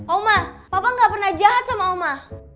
oma papa gak pernah jahat sama oma